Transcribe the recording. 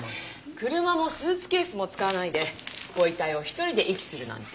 車もスーツケースも使わないでご遺体を１人で遺棄するなんて。